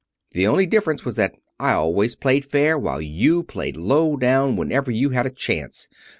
The only difference was that I always played fair, while you played low down whenever you had a chance."